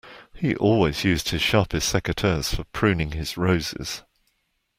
He always used his sharpest secateurs for pruning his roses